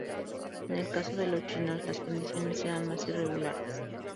En el caso de los chinos las condiciones eran más irregulares.